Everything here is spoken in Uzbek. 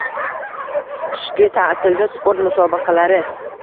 Qishki ta’tilda sport musobaqalari